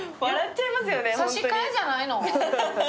差し替えじゃないの？